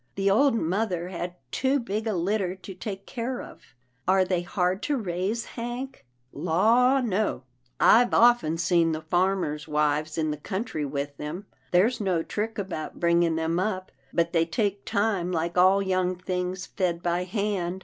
The old mother had too big a litter to take care of — are they hard to raise, Hank? "" Law no, Fve often seen the farmers' wives in the country with them. There's no trick about bringing them up, but they take time like all young things fed by hand.